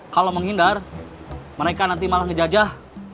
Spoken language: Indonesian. kalau menghindar mereka nanti malah ngejajah